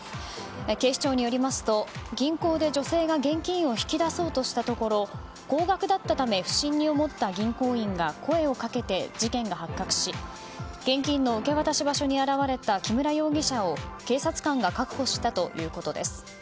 警視庁によりますと銀行で女性が現金を引き出そうとしたところ高額だったため不審に思った銀行員が声をかけて事件が発覚し現金の受け渡し場所に現れた木村容疑者を警察官が確保したということです。